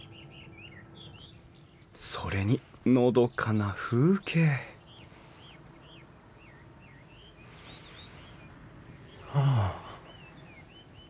それにのどかな風景はあ。